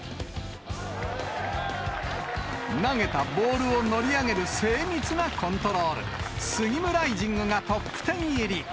投げたボールを乗り上げる精密なコントロール、スギムライジングがトップ１０入り。